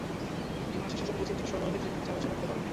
নির্মাণ শেষে এসব কোচ ইঞ্জিন সরবরাহে তিন থেকে চার বছর লাগতে পারে।